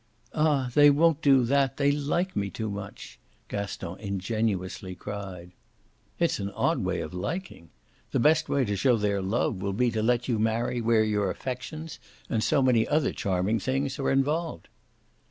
"Ah, they won't do that they like me too much!" Gaston ingenuously cried. "It's an odd way of liking! The best way to show their love will be to let you marry where your affections, and so many other charming things, are involved."